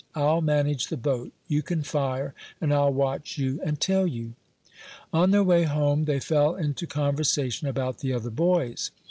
I'll manage the boat; you can fire, and I'll watch you and tell you." On their way home they fell into conversation about the other boys.